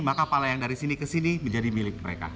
maka pala yang dari sini ke sini menjadi milik mereka